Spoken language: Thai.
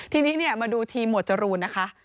ทีนี้มาดูทีมหมวดจรูนนะคะ